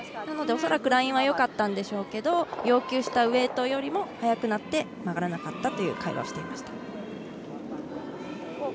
なので、恐らくラインはよかったんでしょうけど要求したウエイトよりも速くなって曲がらなかったという会話をしていました。